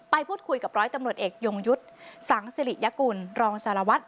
พูดคุยกับร้อยตำรวจเอกยงยุทธ์สังสิริยกุลรองสารวัตร